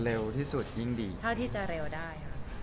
เร็วที่สุดยิ่งดีเท่าที่จะเร็วได้ค่ะ